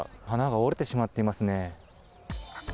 花が折れてしまっていますね。